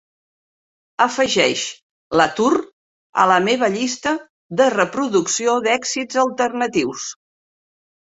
Afegeix LaTour a la meva llista de reproducció d'èxits alternatius.